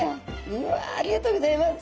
うわありがとうギョざいます。